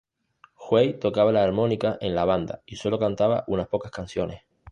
Huey tocaba la armónica en la banda y solo cantaba en unas pocas canciones.